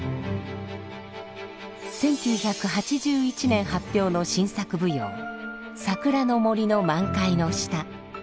１９８１年発表の新作舞踊「桜の森の満開の下」。